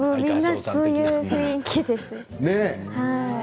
みんな、そんな雰囲気です。